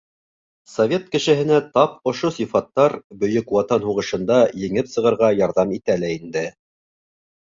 Совет кешеһенә тап ошо сифаттар Бөйөк Ватан һуғышында еңеп сығырға ярҙам итә лә инде.